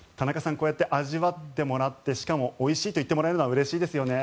こうやって味わってもらってしかもおいしいと言ってもらえるのはうれしいですね。